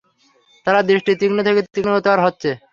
তার দৃষ্টি তীক্ষ্ণ থেকে তীক্ষ্ণতর হচ্ছে।